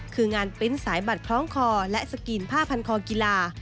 คืองานปริ้นต์สายบัตรคล้องคอและสกรีนผ้าพันคอกีฬา